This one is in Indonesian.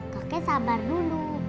kakek sabar dulu